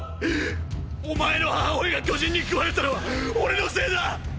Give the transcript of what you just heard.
お前の母親が巨人に食われたのは俺のせいだ！！